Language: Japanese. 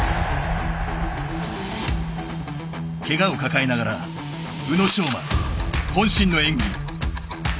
ケガを抱えながら、宇野昌磨渾身の演技。